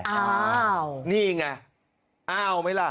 อ้าวนี่ไงอ้าวไหมล่ะ